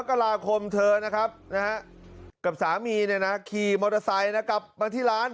กับสามีเนี่ยนะขี่มอเตอร์ไซต์นะกลับมาที่ร้าน